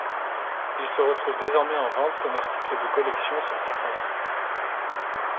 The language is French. Il se retrouve désormais en vente comme article de collection sur certains sites.